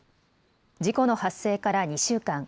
事故の発生から２週間。